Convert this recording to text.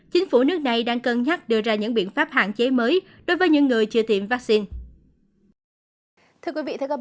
chính phủ nước này đang cân nhắc đưa ra những biện pháp hạn chế mới đối với những người chưa tiêm vaccine